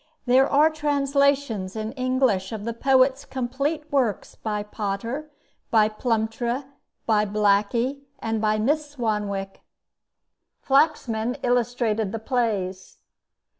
There are translations in English of the poet's complete works by Potter, by Plumptre, by Blackie, and by Miss Swanwick. Flaxman illustrated the plays.